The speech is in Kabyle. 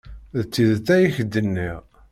D tidet ay ak-d-nniɣ.